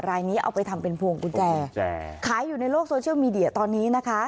รายนี้เอาไปทำเป็นพวงกุญแจขายอยู่ในโลกโซเชียลมีเดียตอนนี้นะคะ